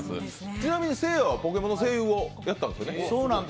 ちなみにせいやは「ポケモン」の声優をやったんですよね？